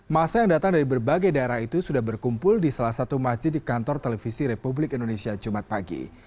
masa yang datang dari berbagai daerah itu sudah berkumpul di salah satu masjid di kantor televisi republik indonesia jumat pagi